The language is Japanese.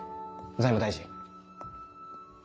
財務大臣。